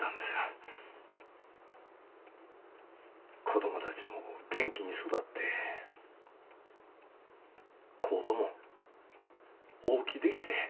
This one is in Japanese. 子供たちも元気に育って工場も大きできて。